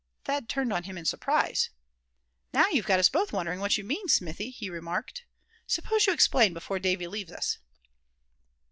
Thad turned on him in some surprise. "Now you've got us both wondering what you mean, Smithy," he remarked; "suppose you explain before Davy leaves us."